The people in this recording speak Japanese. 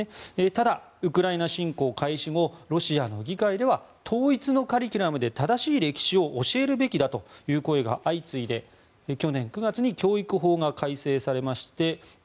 ただウクライナ侵攻開始後ロシアの議会では統一のカリキュラムで正しい歴史を教えるべきだという声が相次いで去年９月に教育法が改正されまして